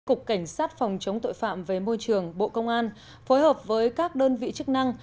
cục cảnh sát phòng chống tội phạm về môi trường bộ công an phối hợp với các đơn vị chức năng